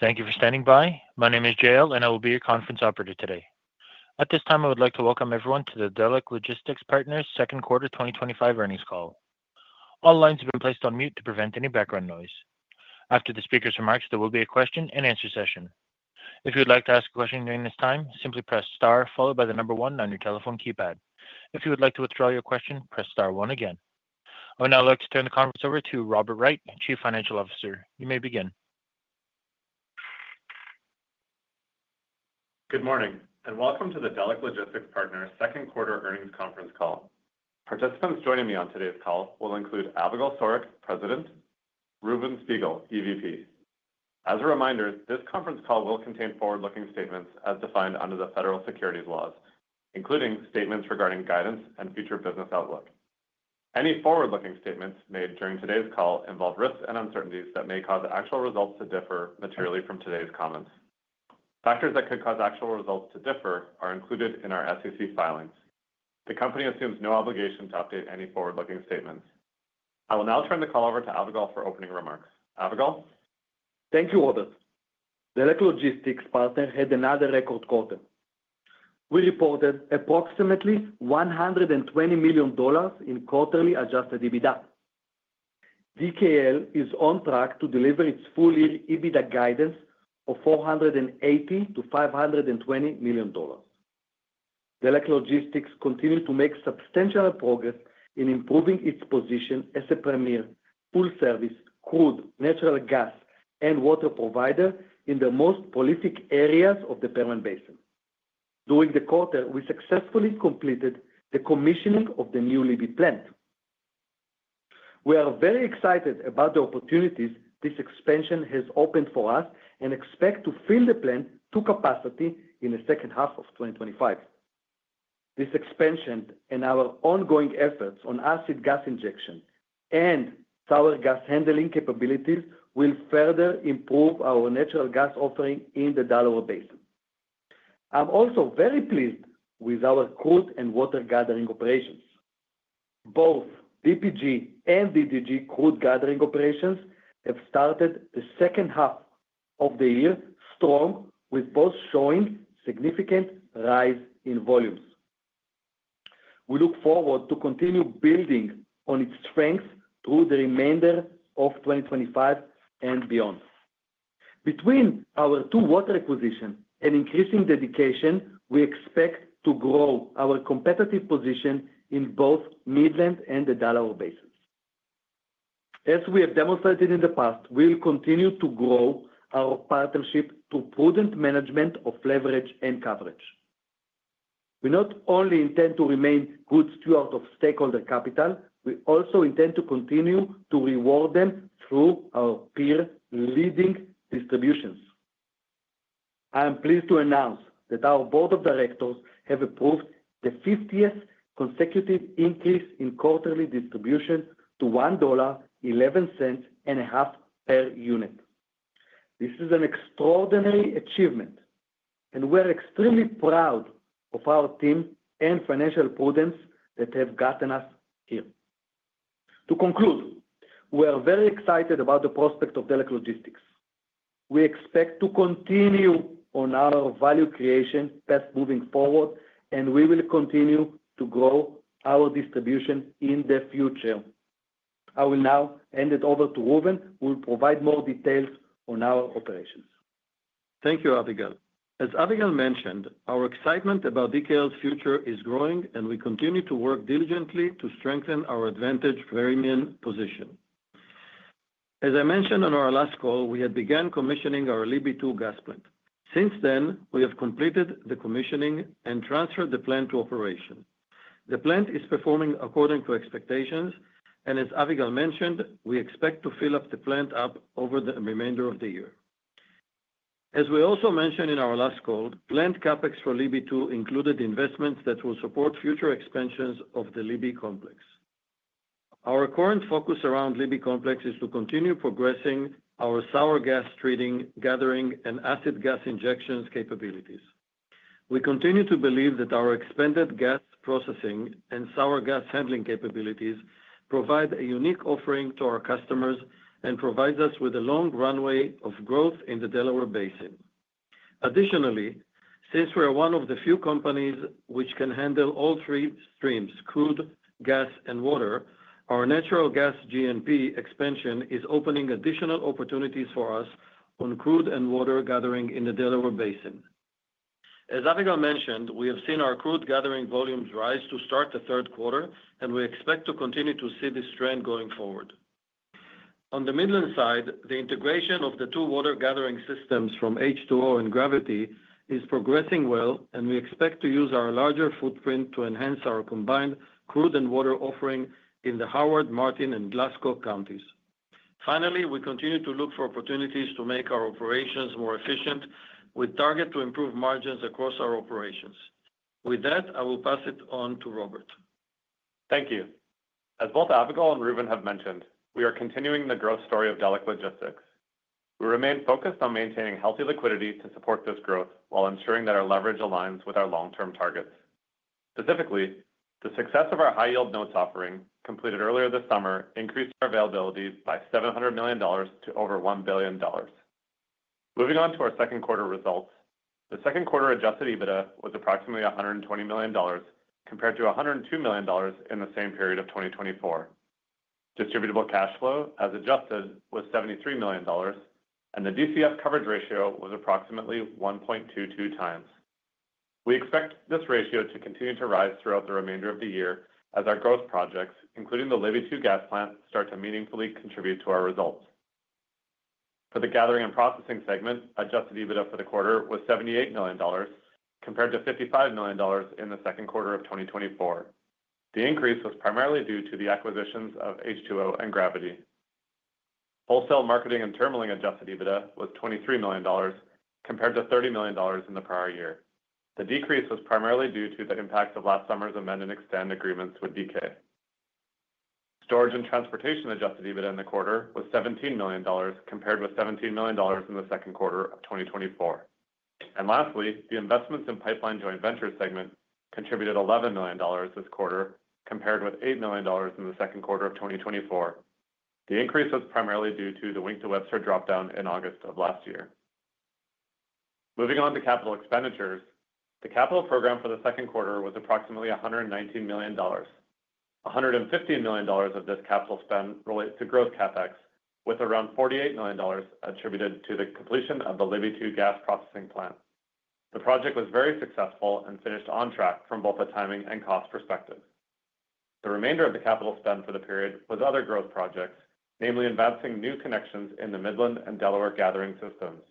Thank you for standing by. My name is Jael and I will be your conference operator today. At this time, I would like to welcome everyone to the Delek Logistics Partners second quarter 2025 earnings call. All lines have been placed on mute to prevent any background noise. After the speaker's remarks, there will be a question and answer session. If you would like to ask a question during this time, simply press star followed by the number one on your telephone keypad. If you would like to withdraw your question, press star one again. I would now like to turn the conference over to Robert Wright, Chief Financial Officer. You may begin. Good morning and Welcome to the Delek Logistics Partners second quarter earnings conference call. Participants joining me on today's call will include Avigal Soreq, President, and Reuven Spiegel, EVP. As a reminder, this conference call will contain forward-looking statements as defined under the Federal Securities Laws, including statements regarding guidance and future business outlook. Any forward-looking statements made during today's call involve risks and uncertainties that may cause actual results to differ materially from today's comments. Factors that could cause actual results to differ are included in our SEC filings. The company assumes no obligation to update any forward-looking statements. I will now turn the call over to Avigal for opening remarks. Avigal? Thank you, Robert. Delek Logistics Partners had another record quarter. We reported approximately $120 million in quarterly adjusted EBITDA. DKL is on track to deliver its full-year EBITDA guidance of $480 million-$520 million. Delek Logistics continues to make substantial progress in improving its position as a premier full-service crude, natural gas, and water provider in the most prolific areas of the Permian Basin. During the quarter, we successfully completed the commissioning of the new Libby plant. We are very excited about the opportunities this expansion has opened for us and expect to fill the plant to capacity in the second half of 2025. This expansion and our ongoing efforts on acid gas injection and sour gas handling capabilities will further improve our natural gas offering in the Delaware Basin. I'm also very pleased with our crude and water gathering operations. Both DPG and DDG crude gathering operations have started the second half of the year strong, with both showing significant rise in volumes. We look forward to continue building on its strengths through the remainder of 2025 and beyond. Between our two water acquisitions and increasing dedication, we expect to grow our competitive position in both Midland and the Delaware Basin. As we have demonstrated in the past, we will continue to grow our partnership through prudent management of leverage and coverage. We not only intend to remain good stewards of stakeholder capital, we also intend to continue to reward them through our peer-leading distributions. I am pleased to announce that our Board of Directors has approved the 50th consecutive increase in quarterly distributions to $1.115 per unit. This is an extraordinary achievement, and we are extremely proud of our team and financial prudence that have gotten us here. To conclude, we are very excited about the prospects of Delek Logistics. We expect to continue on our value creation path moving forward, and we will continue to grow our distribution in the future. I will now hand it over to Reuven, who will provide more details on our operations. Thank you, Avigal. As Avigal mentioned, our excitement about DKL's future is growing, and we continue to work diligently to strengthen our advantaged Permian position. As I mentioned on our last call, we had begun commissioning our Libby 2 gas plant. Since then, we have completed the commissioning and transferred the plant to operation. The plant is performing according to expectations, and as Avigal mentioned, we expect to fill up the plant over the remainder of the year. As we also mentioned in our last call, the plant CapEx for Libby 2 included investments that will support future expansions of the Libby complex. Our current focus around the Libby complex is to continue progressing our sour gas treating, gathering, and acid gas injection capabilities. We continue to believe that our expanded gas processing and sour gas handling capabilities provide a unique offering to our customers and provide us with a long runway of growth in the Delaware Basin. Additionally, since we are one of the few companies which can handle all three streams: crude, gas, and water, our natural gas G&P expansion is opening additional opportunities for us on crude and water gathering in the Delaware Basin. As Avigal mentioned, we have seen our crude gathering volumes rise to start the third quarter, and we expect to continue to see this trend going forward. On the Midland side, the integration of the two water gathering systems from H2O and Gravity is progressing well, and we expect to use our larger footprint to enhance our combined crude and water offering in the Howard, Martin, and Glasscock counties. Finally, we continue to look for opportunities to make our operations more efficient, with a target to improve margins across our operations. With that, I will pass it on to Robert. Thank you. As both Avigal and Reuven have mentioned, we are continuing the growth story of Delek Logistics. We remain focused on maintaining healthy liquidity to support this growth while ensuring that our leverage aligns with our long-term targets. Specifically, the success of our high-yield notes offering completed earlier this summer increased our availability by $700 million to over $1 billion. Moving on to our second quarter results, the second quarter adjusted EBITDA was approximately $120 million compared to $102 million in the same period of 2024. Distributable Cash Flow, as adjusted, was $73 million, and the DCF coverage ratio was approximately 1.22x We expect this ratio to continue to rise throughout the remainder of the year as our growth projects, including the Libby gas plant, start to meaningfully contribute to our results. For the gathering and processing segment, adjusted EBITDA for the quarter was $78 million compared to $55 million in the second quarter of 2024. The increase was primarily due to the acquisitions of H2O and Gravity. Wholesale marketing and terminalling adjusted EBITDA was $23 million compared to $30 million in the prior year. The decrease was primarily due to the impacts of last summer's amend and extend agreements with DK. Storage and Transportation adjusted EBITDA in the quarter was $17 million compared with $17 million in the second quarter of 2024. Lastly, the investments in pipeline joint venture segment contributed $11 million this quarter compared with $8 million in the second quarter of 2024. The increase was primarily due to the Wink to Webster dropdown in August of last year. Moving on to capital expenditures, the capital program for the second quarter was approximately $119 million. $115 million of this capital spend relates to gross capital expenditures, with around $48 million attributed to the completion of the Libby 2 gas processing plant. The project was very successful and finished on track from both a timing and cost perspective. The remainder of the capital spend for the period was other growth projects, namely advancing new connections in the Midland and Delaware gathering systems.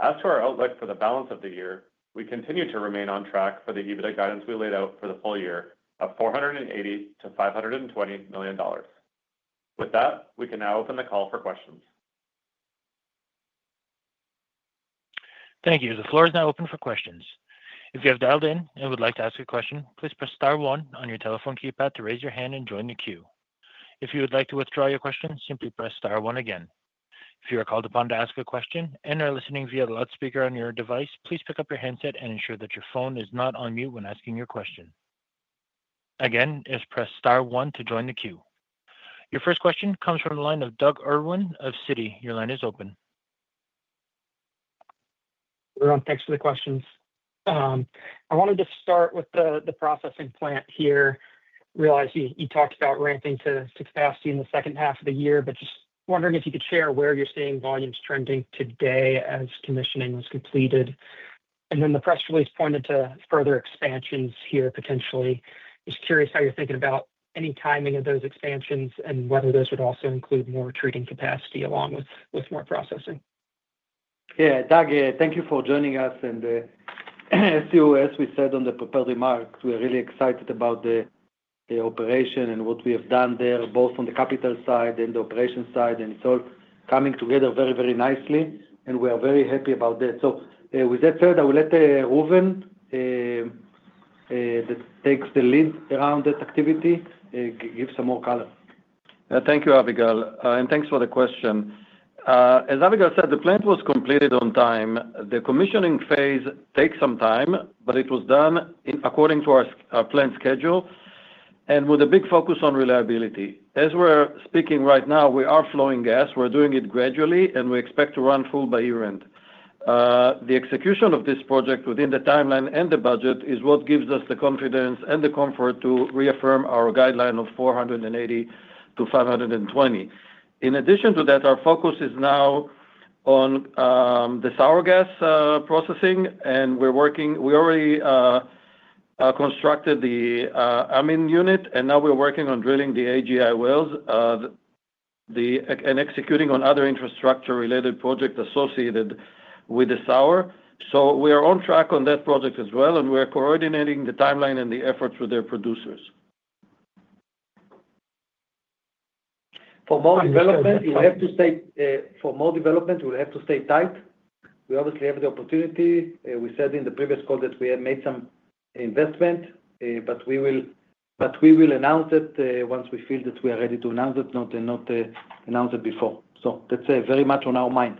As for our outlook for the balance of the year, we continue to remain on track for the EBITDA guidance we laid out for the full year of $480 million-$520 million. With that, we can now open the call for questions. Thank you. The floor is now open for questions. If you have dialed in and would like to ask a question, please press star one on your telephone keypad to raise your hand and join the queue. If you would like to withdraw your question, simply press star one again. If you are called upon to ask a question and are listening via the loudspeaker on your device, please pick up your headset and ensure that your phone is not on mute when asking your question. Again, press star one to join the queue. Your first question comes from the line of Doug Irwin of Citi. Your line is open. Thanks for the questions. I wanted to start with the processing plant here. I realize you talked about ramping to capacity in the second half of the year, but just wondering if you could share where you're seeing volumes trending today as commissioning was completed. The press release pointed to further expansions here potentially. Just curious how you're thinking about any timing of those expansions and whether those would also include more treating capacity along with more processing. Yeah, Doug, thank you for joining us. As we said on the proper remarks, we are really excited about the operation and what we have done there, both on the capital side and the operation side, and it's all coming together very, very nicely. We are very happy about that. With that said, I will let Reuven take the lead around that activity and give some more color. Yeah. Thank you, Avigal, and thanks for the question. As Avigal said, the plant was completed on time. The commissioning phase takes some time, but it was done according to our plant schedule and with a big focus on reliability. As we're speaking right now, we are flowing gas. We're doing it gradually, and we expect to run full by year-end. The execution of this project within the timeline and the budget is what gives us the confidence and the comfort to reaffirm our guideline of $480 million-$520 million. In addition to that, our focus is now on the sour gas processing, and we already constructed the amine unit, and now we're working on drilling the acid gas injection wells and executing on other infrastructure-related projects associated with the sour. We are on track on that project as well, and we are coordinating the timeline and the efforts with their producers. For more development, we'll have to stay tight. We obviously have the opportunity. We said in the previous call that we had made some investment, but we will announce it once we feel that we are ready to announce it and not announce it before. That's very much on our mind.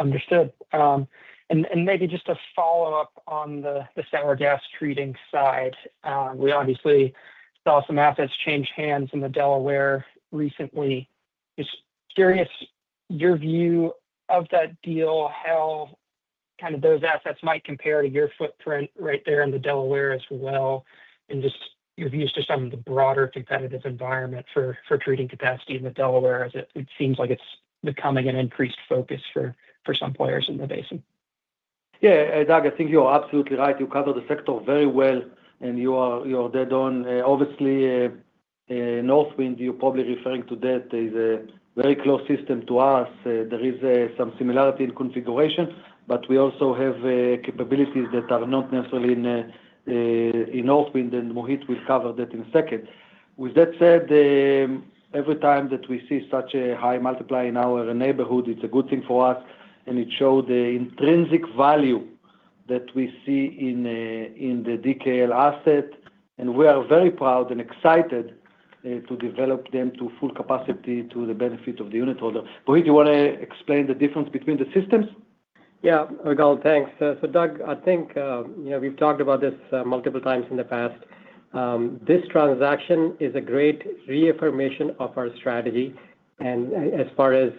Understood. Maybe just a follow-up on the sour gas treating side. We obviously saw some assets change hands in the Delaware recently. Just curious your view of that deal, how kind of those assets might compare to your footprint right there in the Delaware as well, and your views to some of the broader competitive environment for treating capacity in the Delaware as it seems like it's becoming an increased focus for some players in the Basin. Yeah, Doug, I think you are absolutely right. You cover the sector very well, and you are dead on. Obviously, Northwind, you're probably referring to that, is a very close system to us. There is some similarity in configuration, but we also have capabilities that are not necessarily in Northwind, and Mohit will cover that in a second. With that said, every time that we see such a high multiplier in our neighborhood, it's a good thing for us, and it shows the intrinsic value that we see in the DKL asset, and we are very proud and excited to develop them to full capacity to the benefit of the unit holder. Mohit, you want to explain the difference between the systems? Yeah, Avigal, thanks. I think we've talked about this multiple times in the past. This transaction is a great reaffirmation of our strategy, and as far as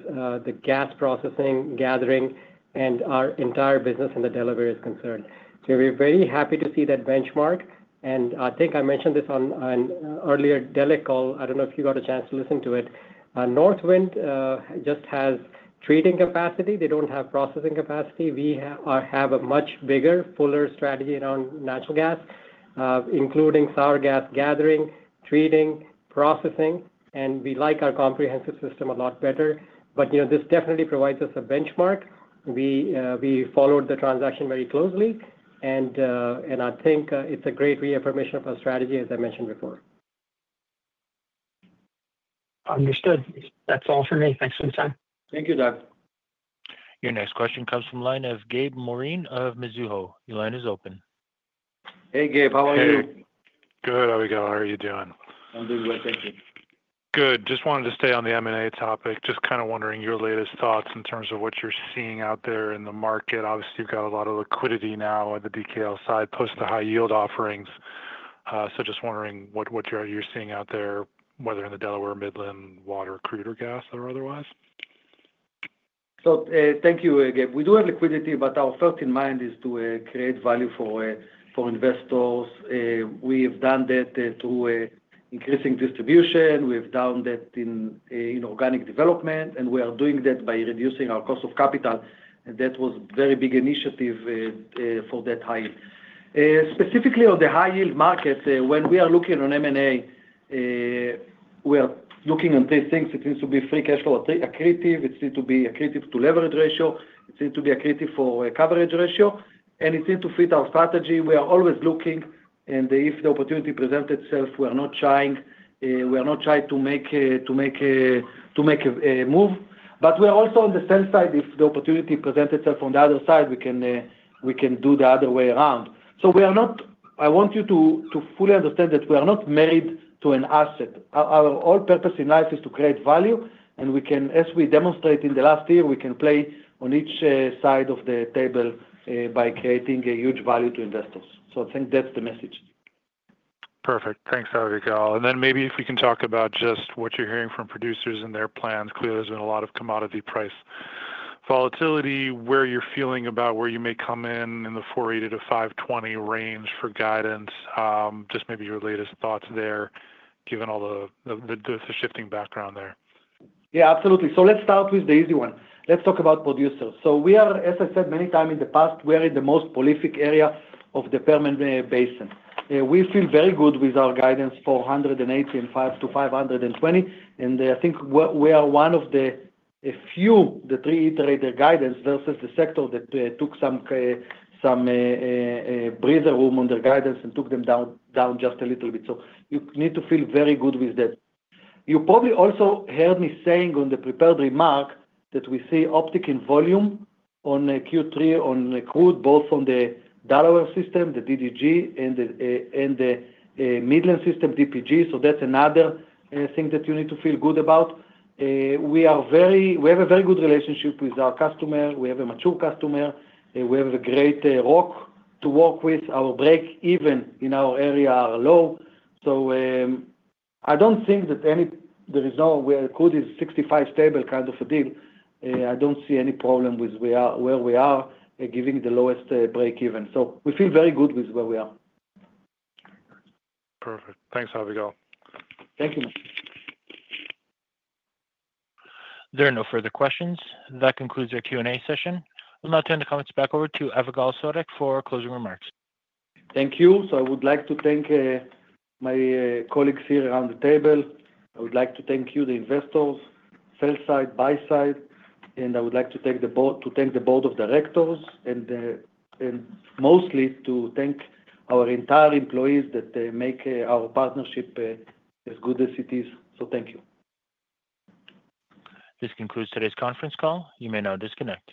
the gas processing, gathering, and our entire business in the Delaware is concerned, we're very happy to see that benchmark. I think I mentioned this on an earlier Delek call. I don't know if you got a chance to listen to it. Northwind just has treating capacity. They don't have processing capacity. We have a much bigger, fuller strategy around natural gas, including sour gas gathering, treating, processing, and we like our comprehensive system a lot better. This definitely provides us a benchmark. We followed the transaction very closely, and I think it's a great reaffirmation of our strategy, as I mentioned before. Understood. That's all for me. Thanks for your time. Thank you, Doug. Your next question comes from the line of Gabe Moreen of Mizuho. Your line is open. Hey, Gabe. How are you? Hey, good. How are you doing? I'm doing good, thank you. Good. Just wanted to stay on the M&A topic. Just kind of wondering your latest thoughts in terms of what you're seeing out there in the market. Obviously, you've got a lot of liquidity now on the DKL side post the high-yield offerings. Just wondering what you're seeing out there, whether in the Delaware, Midland, water, crude, or gas, or otherwise. Thank you, Gabe. We do have liquidity, but our first in mind is to create value for investors. We have done that through increasing distribution. We have done that in organic development, and we are doing that by reducing our cost of capital. That was a very big initiative for that high-yield. Specifically on the high-yield markets, when we are looking on M&A, we are looking on three things. It needs to be free cash flow accretive. It needs to be accretive to leverage ratio. It needs to be accretive for coverage ratio, and it needs to fit our strategy. We are always looking, and if the opportunity presents itself, we are not shying. We are not shy to make a move. We are also on the sell side. If the opportunity presents itself on the other side, we can do the other way around. We are not, I want you to fully understand that we are not married to an asset. Our whole purpose in life is to create value, and we can, as we demonstrated in the last year, play on each side of the table by creating a huge value to investors. I think that's the message. Perfect. Thanks, Avigal. Maybe if we can talk about just what you're hearing from producers and their plans. Clearly, there's been a lot of commodity price volatility. Where are you feeling about where you may come in in the $480 million-$520 million range for guidance? Just maybe your latest thoughts there, given all the shifting background there. Yeah, absolutely. Let's start with the easy one. Let's talk about producers. We are, as I said many times in the past, in the most prolific area of the Permian Basin. We feel very good with our guidance for $185 million-$520 million. I think we are one of the few, the three that reiterated guidance versus the sector that took some breathing room on their guidance and took them down just a little bit. You need to feel very good with that. You probably also heard me saying on the prepared remark that we see uptick in volume in Q3 on crude, both on the Delaware system, the DDG, and the Midland system, DPG. That's another thing that you need to feel good about. We have a very good relationship with our customer. We have a mature customer. We have a great rock to walk with. Our break-evens in our area are low. I don't think that any, there is no, where crude is a $65 million stable kind of a deal. I don't see any problem with where we are giving the lowest break-even. We feel very good with where we are. Perfect. Thanks, Avigal. Thank you, Moses. There are no further questions. That concludes our Q&A session. I'll now turn the comments back over to Avigal Soreq for closing remarks. Thank you. I would like to thank my colleagues here around the table. I would like to thank you, the investors, sell side, buy side. I would like to take the board to thank the Board of Directors and mostly to thank our entire employees that make our partnership as good as it is. Thank you. This concludes today's conference call. You may now disconnect.